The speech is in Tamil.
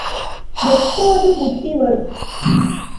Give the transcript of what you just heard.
எப்போது புத்தி வரும்?